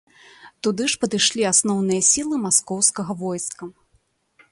Туды ж падышлі асноўныя сілы маскоўскага войска.